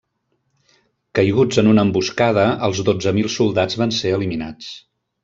Caiguts en una emboscada els dotze mil soldats van ser eliminats.